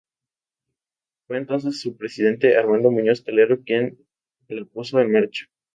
Fue entonces su presidente Armando Muñoz Calero quien la puso en marcha.